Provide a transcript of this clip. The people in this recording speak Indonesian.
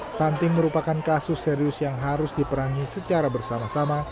stunting merupakan kasus serius yang harus diperangi secara bersama sama